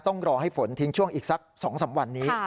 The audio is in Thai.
ต้องรอให้ฝนทิ้งช่วงอีกสัก๒๓วันนี้